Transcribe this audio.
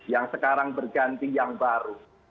yang sekarang berganti yang baru